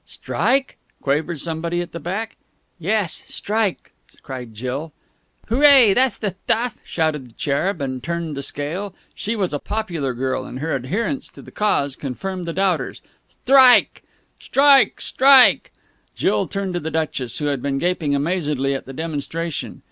"Strike?" quavered somebody at the back. "Yes, strike!" cried Jill. "Hooray! That's the thtuff!" shouted the Cherub, and turned the scale. She was a popular girl, and her adherence to the Cause confirmed the doubters. "Thtrike!" "Strike! Strike!" Jill turned to the Duchess, who had been gaping amazedly at the demonstration.